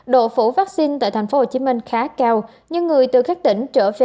độ phủ vaccine tại tp hcm khá cao